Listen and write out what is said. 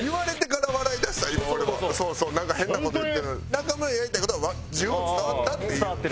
中村がやりたい事は十分伝わったっていう。